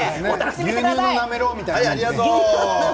牛乳のなめろうみたいなものです。